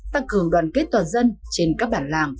tăng cường đoàn kết toàn dân trên các bản làng